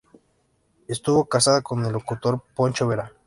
Estuvo casada con el locutor Poncho Vera.